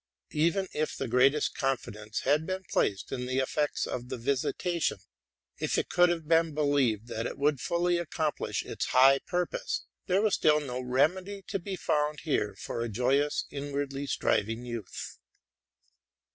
Even if the greatest confi dence had been placed in the effects of the '* Visitation,'' — if it could have been believed that it would fully accomplish its high purpose, — still no satisfaction was to be found here for a joyous, inwardly striving youth.